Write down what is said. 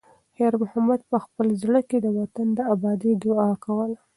خیر محمد په خپل زړه کې د وطن د ابادۍ دعا وکړه.